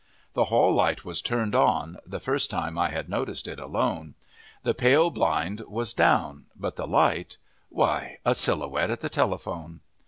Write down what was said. The hall light was turned on the first time I had noticed it alone. The pale blind was down, but the light why, a Silhouette at the telephone!